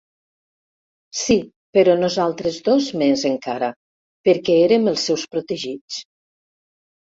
Sí, però nosaltres dos més, encara, perquè érem els seus protegits.